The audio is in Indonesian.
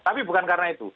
tapi bukan karena itu